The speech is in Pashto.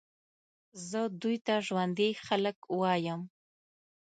زه دوی ته ژوندي خلک وایم.